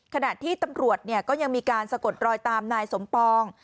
ขณะที่ตำรวจก็ยังมีการสะกดรอยตามนายสมปอง